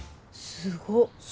すごっ。